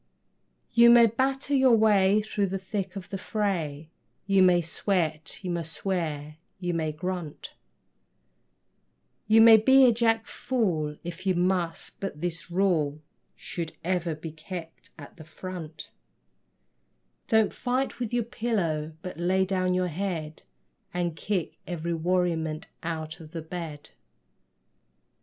You may batter your way through the thick of the fray, You may sweat, you may swear, you may grunt; You may be a jack fool if you must, but this rule Should ever be kept at the front: Don't fight with your pillow, but lay down your head And kick every worriment out of the bed.